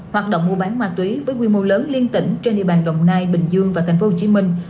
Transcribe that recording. hoạt động mua bán ma túy với quy mô lớn liên tỉnh trên địa bàn đồng nai bình dương và thành phố hồ chí minh